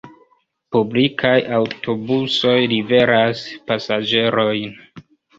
Publikaj aŭtobusoj liveras la pasaĝerojn.